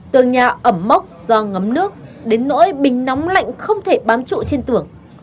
tường nhà ẩm mốc do ngấm nước đến nỗi bình nóng lạnh không thể bám trụ trên tường